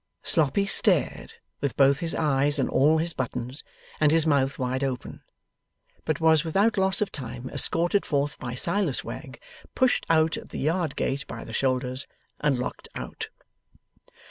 Sloppy stared, with both his eyes and all his buttons, and his mouth wide open; but was without loss of time escorted forth by Silas Wegg, pushed out at the yard gate by the shoulders, and locked out.